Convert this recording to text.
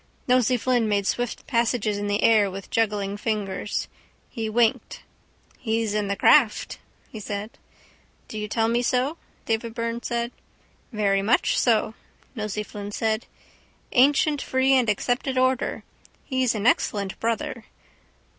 Nosey Flynn made swift passes in the air with juggling fingers. He winked. —He's in the craft, he said. —Do you tell me so? Davy Byrne said. —Very much so, Nosey Flynn said. Ancient free and accepted order. He's an excellent brother.